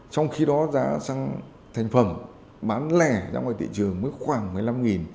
trong khi đó giá xăng thành phẩm bán lẻ ra ngoài thị trường mới khoảng một mươi năm